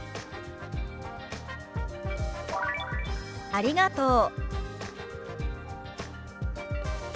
「ありがとう」。